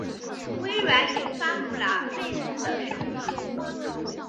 微软也发布了类似的声明。